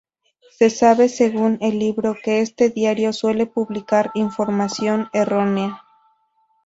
Se sabe según el libro que este diario suele publicar información errónea.